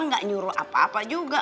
nggak nyuruh apa apa juga